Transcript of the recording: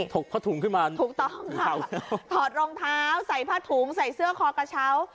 กผ้าถุงขึ้นมาถูกต้องค่ะถอดรองเท้าใส่ผ้าถุงใส่เสื้อคอกระเช้า